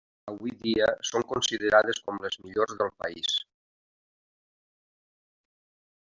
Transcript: Encara avui dia són considerades com les millors del país.